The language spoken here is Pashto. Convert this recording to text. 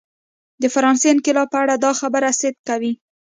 د فرانسې انقلاب په اړه دا خبره صدق کوي.